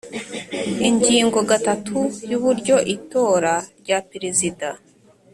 Ingingo gatatu y’Uburyo itora rya Perezida